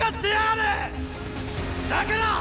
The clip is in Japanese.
だから！！